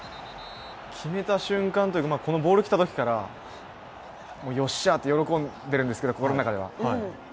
決めた瞬間というか、このボールが来たときからよっしゃって喜んでるんですけど、心の中では。